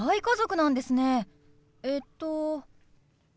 えっと？